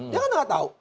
dia kan tidak tahu